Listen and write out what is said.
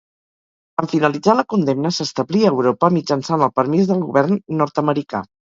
En finalitzar la condemna s'establí a Europa mitjançant el permís del Govern nord-americà.